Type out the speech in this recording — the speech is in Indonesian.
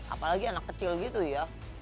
apalagi anak kecil gitu ya